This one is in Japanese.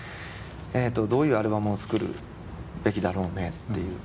えっとどういうアルバムを作るべきだろうねっていう。